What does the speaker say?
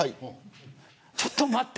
ちょっと待って。